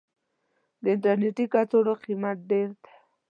د انټرنيټي کڅوړو قيمت ډير ده.